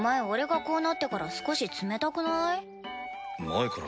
俺がこうなってから少し冷たくない？